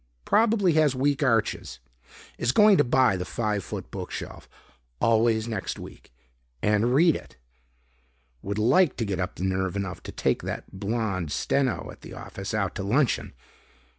Probably has weak arches.... Is going to buy the Five Foot book shelf, always next week, and read it.... Would like to get up nerve enough to take that blonde steno at the office out to luncheon...."